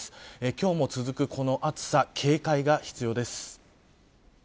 今日も続くこの暑さ警戒が必要です。